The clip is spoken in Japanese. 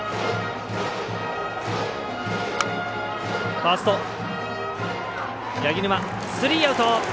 ファースト、柳沼とってスリーアウト。